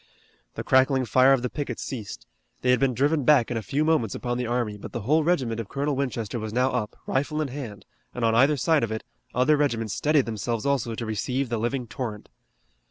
The crackling fire of the pickets ceased. They had been driven back in a few moments upon the army, but the whole regiment of Colonel Winchester was now up, rifle in hand, and on either side of it, other regiments steadied themselves also to receive the living torrent.